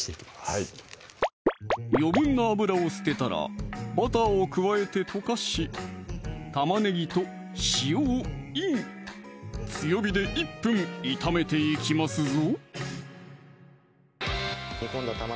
はい余分な油を捨てたらバターを加えて溶かし玉ねぎと塩をイン強火で１分炒めていきますぞ